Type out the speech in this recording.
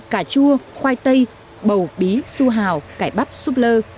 cà chua khoai tây bầu bí su hào cải bắp súp lơ